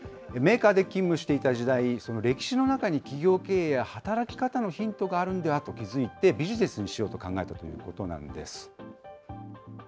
メーカーで勤務していた時代、その歴史の中に企業経営や働き方のヒントがあるんではと気付いて、ビジネスにしようと考えたということなんです。